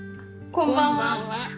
「こんばんは」。